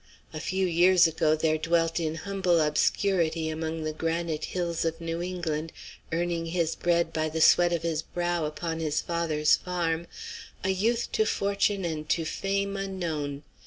A few years ago there dwelt in humble obscurity among the granite hills of New England, earning his bread by the sweat of his brow upon his father's farm, a youth to fortune and to fame unknown.